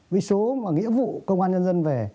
với số nghĩa vụ công an nhân dân